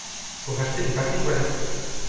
Faut racheter du papier toilette.